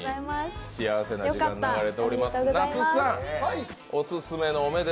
幸せな時間が流れております。